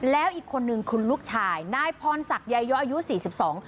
แล้วอีกคนนึงคุณลูกชายนายพรศักดิ์ยายโยอายุสี่สิบสอง